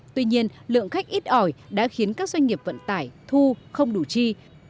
tuy nhiên lượng khách ít ỏi đã khiến các doanh nghiệp vận tải thu không đủ chi